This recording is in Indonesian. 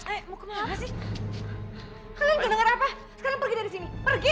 eh mau kemana sih kalian udah dengar apa sekarang pergi dari sini pergi